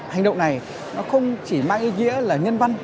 hành động này nó không chỉ mang ý nghĩa là nhân văn